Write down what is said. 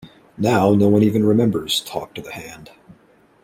Now no one even remembers 'Talk to the hand'.